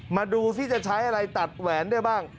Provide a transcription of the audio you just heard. มาดูที่จะใช้อะไรตัดแหวนได้บ้าง